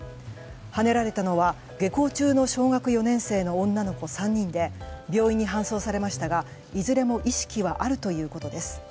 はねられたのは下校中の小学４年生の女の子３人で病院に搬送されましたがいずれも意識はあるということです。